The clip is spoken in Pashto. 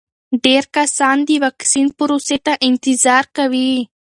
ډېر کسان د واکسین پروسې ته انتظار کوي.